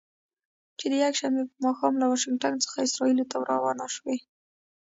چې د یکشنبې په ماښام له واشنګټن څخه اسرائیلو ته روانه شوې.